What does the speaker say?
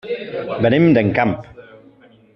Venim d'Encamp.